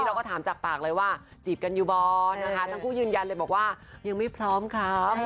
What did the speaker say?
เราก็ถามจากปากเลยว่าจีบกันอยู่บ่นะคะทั้งคู่ยืนยันเลยบอกว่ายังไม่พร้อมครับ